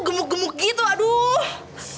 gemuk gemuk gitu aduh